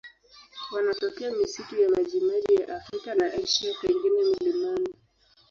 Wanatokea misitu ya majimaji ya Afrika na Asia, pengine milimani.